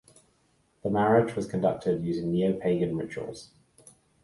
The marriage was conducted using neo-pagan rituals.